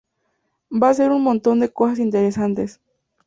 Va a hacer un montón de cosas interesantes.